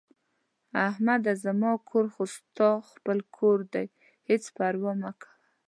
احمده زما کور خو ستاسو خپل کور دی، هېڅ پروا مه کوه...